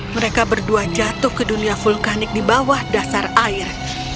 mereka berdua jatuh ke dunia vulkanik di bawah dasar air